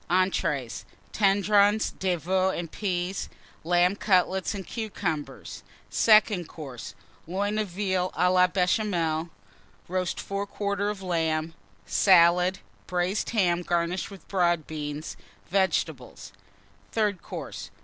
ENTREES. Tendrons de Veau and Peas. Lamb Cutlets and Cucumbers. SECOND COURSE. Loin of Veal à la Béchamel. Roast Fore quarter of Lamb. Salad. Braised Ham, garnished with Broad Beans. Vegetables. THIRD COURSE.